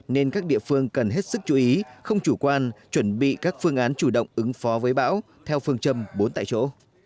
nên các địa phương cần hết sức chú ý không chủ quan chuẩn bị các phương án chủ động ứng phó với bão theo phương châm bốn tại chỗ